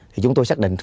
thì chúng tôi xác định